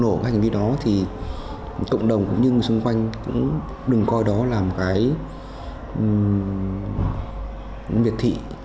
nó nổ hành vi đó thì cộng đồng cũng như xung quanh cũng đừng coi đó là một cái miệt thị